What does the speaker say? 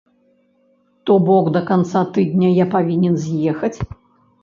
То бок, да канца тыдня я павінен з'ехаць.